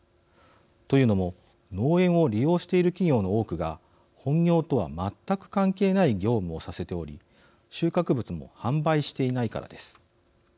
というのも農園を利用している企業の多くが本業とは全く関係ない業務をさせており収穫物も販売していないからです。